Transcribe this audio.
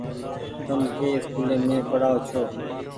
تم ڪي اسڪولي مين پڙآئو ڇو ۔